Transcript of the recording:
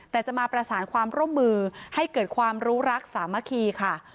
แต่จะมาประสานความร่วมมือให้เกิดความรู้รักสามัคคีค่ะ